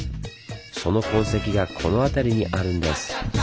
その痕跡がこの辺りにあるんです。